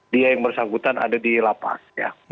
dia yang bersangkutan ada di lapas